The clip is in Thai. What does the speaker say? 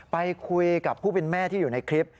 ไปคุยกับผู้เป็นแม่ที่อยู่ในคลิป